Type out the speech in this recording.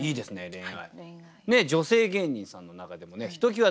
「恋愛」。